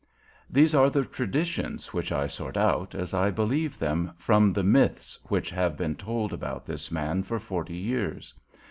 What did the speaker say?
These are the traditions, which I sort out, as I believe them, from the myths which have been told about this man for forty years.